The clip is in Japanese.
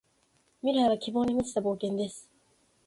未来は希望に満ちた冒険です。